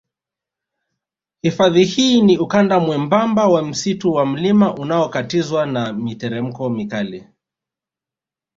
Hifadhi hii ni ukanda mwembamba wa msitu wa mlima unaokatizwa na miteremko mikali